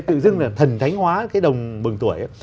tự dưng là thần thánh hóa cái đồng bừng tuổi